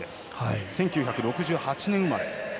１９６８年生まれ。